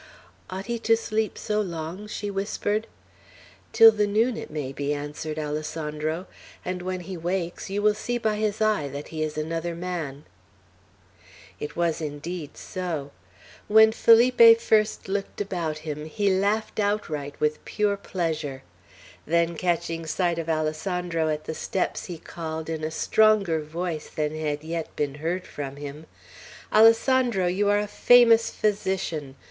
"Ought he to sleep so long?" she whispered. "Till the noon, it may be," answered Alessandro; "and when he wakes, you will see by his eye that he is another man." It was indeed so. When Felipe first looked about him, he laughed outright with pure pleasure. Then catching sight of Alessandro at the steps, he called, in a stronger voice than had yet been heard from him, "Alessandro, you are a famous physician.